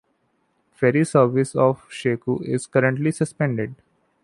Ferry service to Shekou is currently suspended.